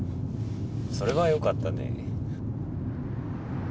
それはよかったね。